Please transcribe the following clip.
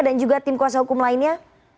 dan juga tim kuasa hukum lainnya